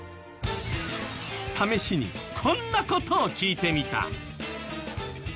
試しにこんな事を聞いてみた。